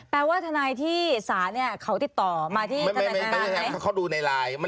แปลว่าทนายที่ศาสตร์เขาติดต่อมาที่ไม่เป็นไง